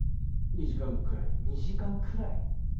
２時間くらい？